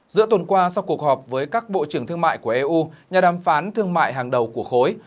giữa tuần qua sau cuộc họp với các bộ trưởng thương mại của eu nhà đàm phán thương mại hàng đầu của khối